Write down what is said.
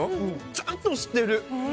ちゃんとしてる！